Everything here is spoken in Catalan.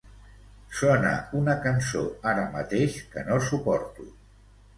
Sona una cançó ara mateix que no suporto.